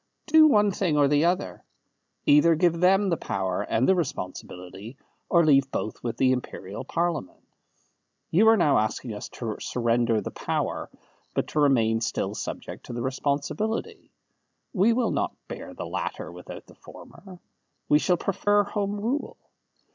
Do one thing or the other. Either give them the power and the responsibility, or leave both with the Imperial Parliament. You are now asking us to surrender the power, but to remain still subject to the responsibility. We will not bear the latter without the former. We shall prefer Home Rule."